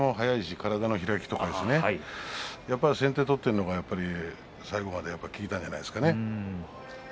体を開き先手を取っているのが最後まで効いたんではないでしょうかね。